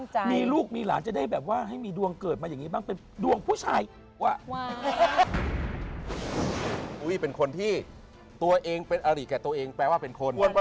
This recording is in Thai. ใช่นะแต่ตอนนี้มันดูเป็นคนที่น่ากลัว